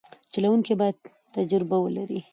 چلوونکی باید تجربه ولري.